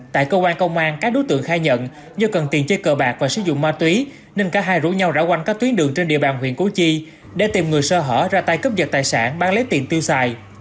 tại cơ quan công an các đối tượng khai nhận do cần tiền chơi cờ bạc và sử dụng ma túy nên cả hai rủ nhau rão quanh các tuyến đường trên địa bàn huyện củ chi để tìm người sơ hở ra tay cướp giật tài sản bán lấy tiền tiêu xài